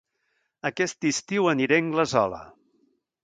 Aquest estiu aniré a Anglesola